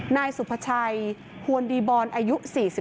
นายสุภาชัยหวนดีบอลอายุ๔๒